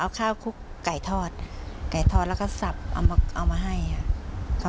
เอาข้าวคลุกไก่ทอดไก่ทอดแล้วก็สับเอามาให้ค่ะ